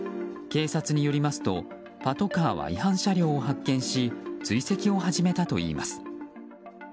警察によりますとパトカーは違反車両を発見し追跡を始めたといいます。